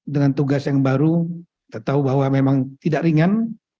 dengan tugas yang baru kita tahu bahwa memang tidak ringan